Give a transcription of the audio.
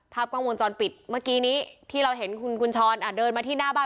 กล้องวงจรปิดเมื่อกี้นี้ที่เราเห็นคุณกุญชรเดินมาที่หน้าบ้าน